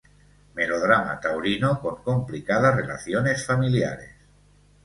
Melodrama taurino con complicadas relaciones familiares.